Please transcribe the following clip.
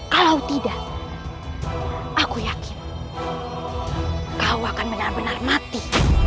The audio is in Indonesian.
kalau tidak aku yakin kau akan benar benar mati